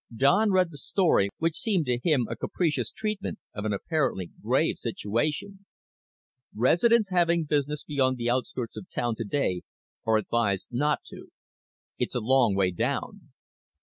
Don read the story, which seemed to him a capricious treatment of an apparently grave situation. _Residents having business beyond the outskirts of town today are advised not to. It's a long way down.